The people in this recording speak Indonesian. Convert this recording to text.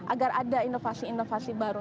agar ada inovasi inovasi baru